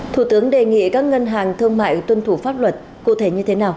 thủ tướng đề nghị các ngân hàng thương mại tuân thủ pháp luật cụ thể như thế nào